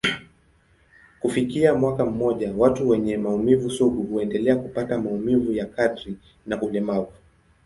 Kufikia mwaka mmoja, watu wenye maumivu sugu huendelea kupata maumivu ya kadri na ulemavu.